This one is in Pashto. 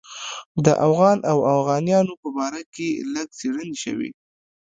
د اوغان او اوغانیانو په باره کې لږ څېړنې شوې.